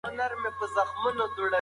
سپین ږیری غلی شو.